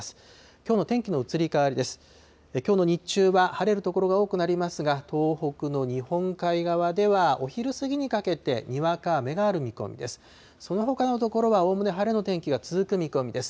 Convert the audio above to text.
きょうの日中は晴れる所が多くなりますが、東北の日本海側では、お昼過ぎにかけてにわか雨がある見込みです。